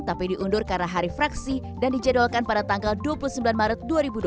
tapi diundur karena hari fraksi dan dijadwalkan pada tanggal dua puluh sembilan maret dua ribu dua puluh